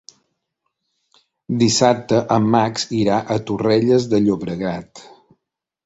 Dissabte en Max irà a Torrelles de Llobregat.